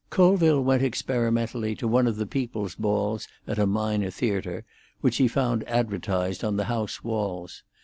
Colville went experimentally to one of the people's balls at a minor theatre, which he found advertised on the house walls.